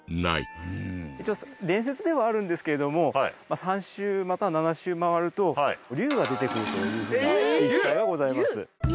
一応伝説ではあるんですけれども３周または７周回ると龍が出てくるというふうな言い伝えがございます。